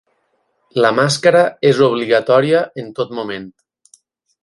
La màscara és obligatòria en tot moment.